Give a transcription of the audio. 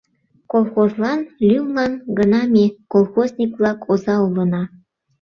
Колхозлан лӱмлан гына ме, колхозник-влак, оза улына.